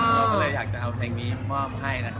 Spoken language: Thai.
เราก็เลยอยากจะเอาเพลงนี้มอบให้นะครับ